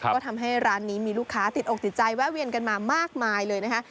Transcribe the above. ก็ทำให้ร้านนี้มีลูกค้าติดอกติดใจแวะเวียนกันมามากมายเลยนะคะ